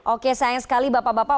oke sayang sekali bapak bapak